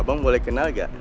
abang boleh kenal gak